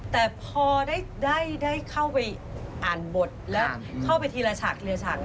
แต่พอได้เข้าไปอ่านบทแล้วเข้าไปทีละฉากทีละฉาก